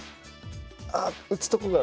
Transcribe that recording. あっ打つとこが。